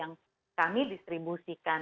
yang kami distribusikan